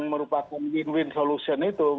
merupakan win win solution itu